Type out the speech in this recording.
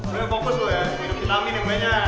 minum vitamin yang lainnya